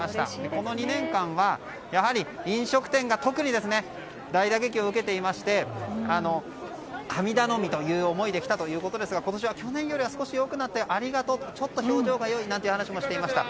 この２年間は、やはり飲食店が特に大打撃を受けていまして神頼みという思いで来たということでしたが今年は去年より少し良くなったよ、ありがとうとちょっと表情が良いという話もしていました。